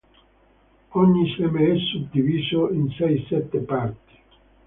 Ogni seme è suddiviso in sei-sette parti.